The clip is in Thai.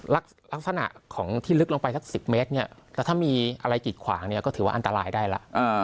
ลักษณะของที่ลึกลงไปสัก๑๐เมตรเนี่ยถ้ามีอะไรกิดขวางเนี่ยก็ถือว่าอันตรายได้แล้ว